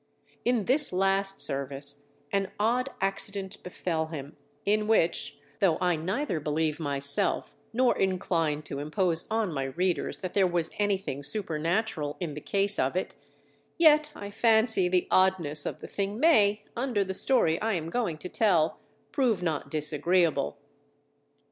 In this last service an odd accident befell him, in which, though I neither believe myself, nor incline to impose on my readers that there was anything supernatural in the case of it, yet I fancy the oddness of the thing may, under the story I am going to tell, prove not disagreeable.